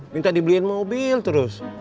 minta dibeliin mobil terus